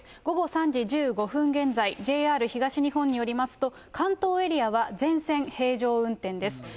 午後３時１５分現在、ＪＲ東日本によりますと、関東エリアは全線、平常運転です。